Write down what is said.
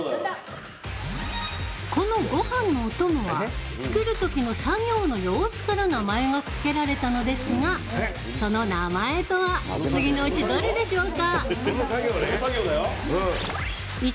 この、ごはんのお供は作るときの作業の様子から名前が付けられたのですがその名前とは次のうち、どれでしょうか？